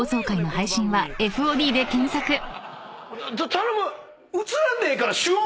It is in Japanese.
頼む！